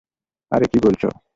আরে, কি বলছো?